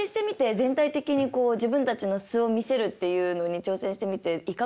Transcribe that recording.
全体的にこう自分たちの素を見せるっていうのに挑戦してみていかがですか？